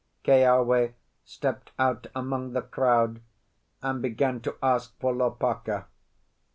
Keawe stepped out among the crowd and began to ask for Lopaka.